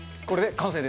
完成！